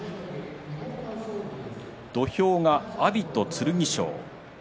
土俵が阿炎と剣翔。